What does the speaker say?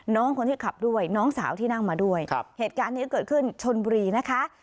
น้องคนที่ขับด้วยน้องสาวที่นั่งมาด้วยครับเหตุการณ์นี้เกิดขึ้นชนบุรีนะคะ